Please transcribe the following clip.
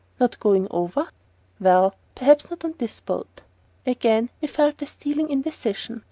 "Not going over?" "Well ... perhaps not by this boat." Again he felt a stealing indecision.